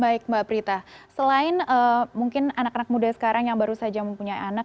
baik mbak prita selain mungkin anak anak muda sekarang yang baru saja mempunyai anak